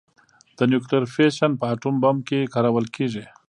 د نیوکلیر فیشن په اټوم بم کې کارول کېږي.